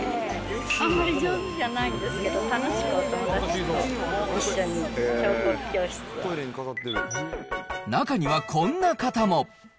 あんまり上手じゃないんですけど、楽しくお友達と一緒に彫刻教室中にはこんな方も。